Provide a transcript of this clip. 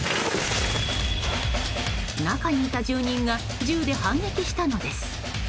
中にいた住人が銃で反撃したのです。